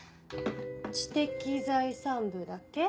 知的財産部だっけ？